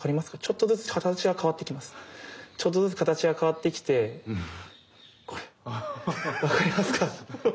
ちょっとずつ形が変わってきてこれ分かりますか？